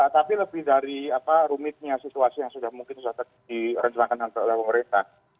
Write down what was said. tapi lebih dari rumitnya situasi yang sudah mungkin sudah terjadi di rencelangkan dan tengah pengureta